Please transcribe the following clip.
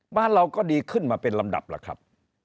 บ้านเราก็ดีขึ้นมาเป็นลำดับล่ะครับ